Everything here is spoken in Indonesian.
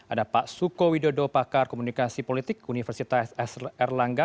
ada pak suko widodo pakar komunikasi politik universitas s erlangga